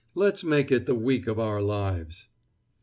Let's make it the week of our lives!"